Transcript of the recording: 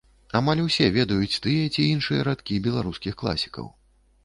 Амаль усе ведаюць тыя ці іншыя радкі беларускіх класікаў.